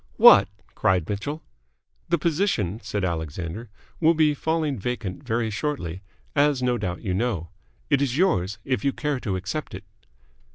"What!" cried Mitchell. "The position," said Alexander, "will be falling vacant very shortly, as no doubt you know. It is yours, if you care to accept it."